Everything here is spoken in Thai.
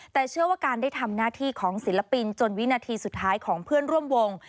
แต่เชื่อว่าการได้ทำหน้าที่ของศิลปินจนวินาทีสุดท้ายของเพื่อนร่วมวง